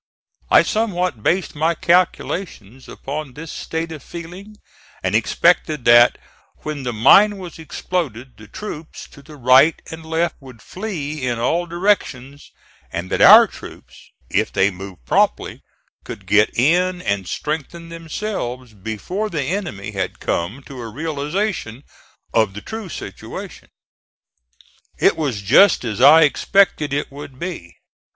I somewhat based my calculations upon this state of feeling, and expected that when the mine was exploded the troops to the right and left would flee in all directions, and that our troops, if they moved promptly, could get in and strengthen themselves before the enemy had come to a realization of the true situation. It was just as I expected it would be.